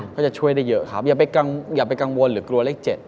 ก็จะช่วยได้เยอะครับอย่าไปกังวลหรือกลัวเลข๗